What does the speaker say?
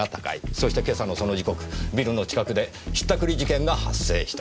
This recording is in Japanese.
そして今朝のその時刻ビルの近くで引ったくり事件が発生した。